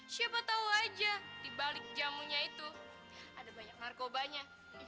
sampai jumpa di video selanjutnya